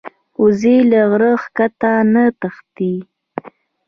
وزې له غره ښکته نه تښتي